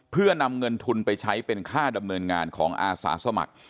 เพื่อนำเงินทุนไปใช้เป็นค่าดำเนินงานของอาสาสมัคร